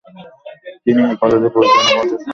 তিনি ঐ কলেজের পরিচালনা কমিটির সভাপতি ছিলেন।